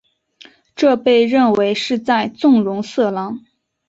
这被认为是在纵容色狼。